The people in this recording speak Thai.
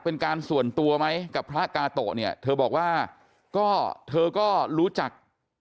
เป็นการส่วนตัวไหมกับพระกาโตะเนี่ยเธอบอกว่าก็เธอก็รู้จัก